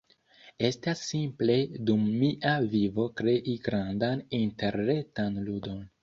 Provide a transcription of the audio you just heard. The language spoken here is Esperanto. estas simple dum mia vivo krei grandan interretan ludon